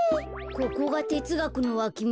ここがてつがくのわきみち？